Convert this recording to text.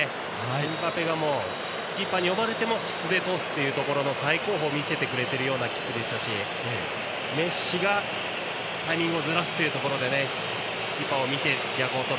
エムバペがキーパーに読まれても質で通すというところの最高峰を見せてくれているキックでしたしメッシがタイミングをずらすというところでキーパーを見て逆をとる。